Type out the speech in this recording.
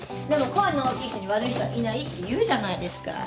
でも声の大きい人に悪い人はいないって言うじゃないですか。